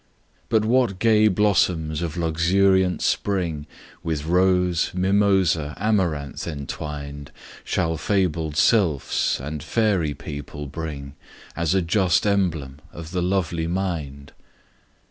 But what gay blossoms of luxuriant spring, With rose, mimosa, amaranth entwined, Shall fabled Sylphs and fairy people bring, As a just emblem of the lovely mind?